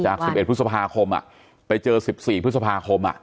จาก๑๑พฤษภาคมอ่ะไปเจอ๑๔พฤษภาคมอ่ะ